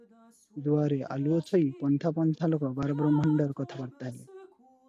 ଦୁଆରେ ଆଲୁଅ ଥୋଇ ପଞ୍ଝା ପଞ୍ଝା ଲୋକ ବାର ବ୍ରହ୍ମାଣ୍ଡର କଥାବାର୍ତ୍ତା ହେଲେ ।